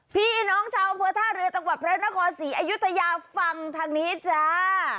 พี่น้องชาวเผือท่าเรือตะกวดพระราชนครศรีอยุธยฟังทางนี้จ้า